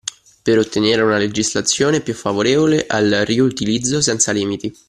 Per ottenere una legislazione più favorevole al riutilizzo senza limiti